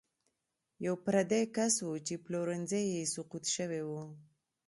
یو پردی کس و چې پلورنځی یې سقوط شوی و.